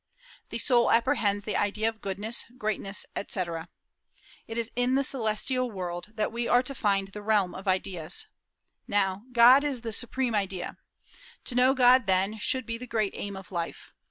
The soul apprehends the idea of goodness, greatness, etc. It is in the celestial world that we are to find the realm of ideas. Now, God is the supreme idea. To know God, then, should be the great aim of life.